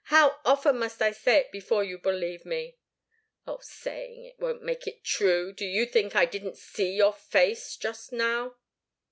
How often must I say it before you'll believe me?" "Oh saying it won't make it true! Do you think I didn't see your face just now?"